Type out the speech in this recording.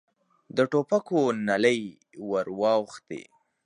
د ټوپکو نلۍ ور واوښتې.